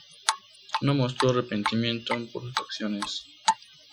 No mostró arrepentimiento por sus acciones.